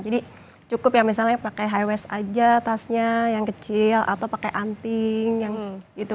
jadi cukup ya misalnya pakai high waist aja tasnya yang kecil atau pakai anting yang gitu